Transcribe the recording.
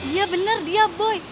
iya bener dia boy